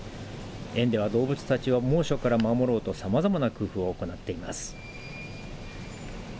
園では動物たちを猛暑から守ろうとさまざまな工夫を行っています。